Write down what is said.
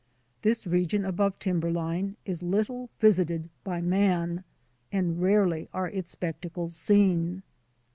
This region above timberline is little visited by man, and rarely are its spectacles seen.